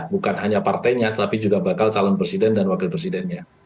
bukan hanya partainya tapi juga bakal calon presiden dan wakil presidennya